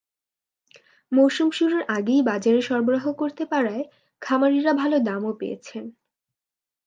মৌসুম শুরুর আগেই বাজারে সরবরাহ করতে পারায় খামারিরা ভালো দামও পেয়েছেন।